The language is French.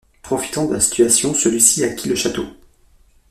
Profitant de la situation, celui-ci acquiert le château.